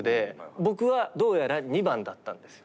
僕はどうやら２番だったんですよ。